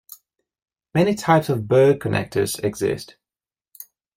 Many types of Berg connectors exist.